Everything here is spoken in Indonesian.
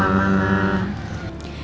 assalamualaikum dede baik kesayangan papa mama